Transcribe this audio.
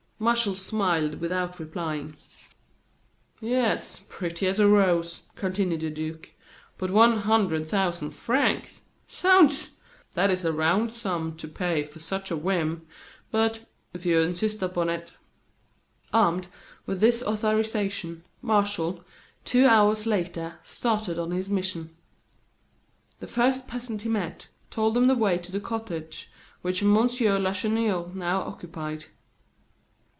Martial smiled without replying. "Yes, pretty as a rose," continued the duke; "but one hundred thousand francs! Zounds! That is a round sum to pay for such a whim. But, if you insist upon it " Armed with this authorization, Martial, two hours later, started on his mission. The first peasant he met told him the way to the cottage which M. Lacheneur now occupied.